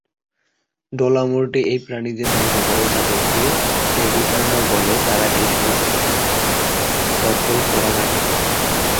ডেলামোরটে এই প্রাণীদের ধ্বংস করে, যাদেরকে সে "রিটার্নার" বলে, তারা শহর দখল করার আগে।